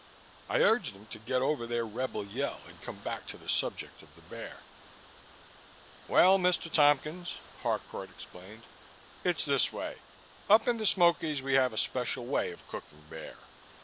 I urged them to get over their rebel yell and come back to the subject of the bear. "Well, Mr. Tompkins," Harcourt explained. "It's this way. Up in the Smokies we have a special way of cooking bear.